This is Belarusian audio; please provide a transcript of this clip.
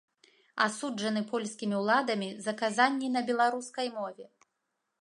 Асуджаны польскімі ўладамі за казанні на беларускай мове.